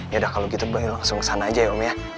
yaudah kalau gitu langsung kesana aja ya om ya